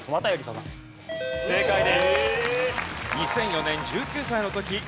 正解です。